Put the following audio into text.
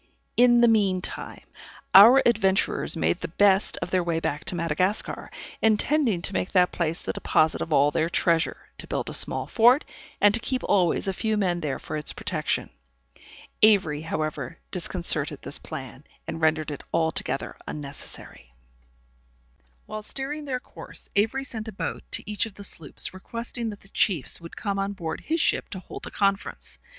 In the mean time, our adventurers made the best of their way back to Madagascar, intending to make that place the deposit of all their treasure, to build a small fort, and to keep always a few men there for its protection. Avery, however, disconcerted this plan, and rendered it altogether unnecessary. [Illustration: Captain Avery receiving the three chests of Treasure on board of his Ship.] While steering their course, Avery sent a boat to each of the sloops, requesting that the chiefs would come on board his ship to hold a conference.